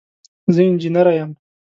زه انجنیره یم.